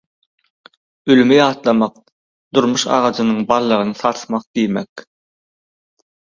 Ölümi ýatlamak durmuş agajynyň baldagyny sarsmak diýmek